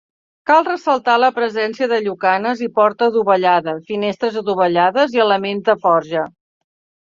Cal ressaltar la presència de llucanes i porta adovellada, finestres adovellades i elements de forja.